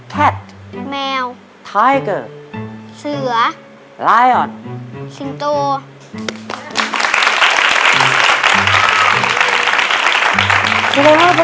แคตแมวไทเกอร์เสือลายอนสิงตัว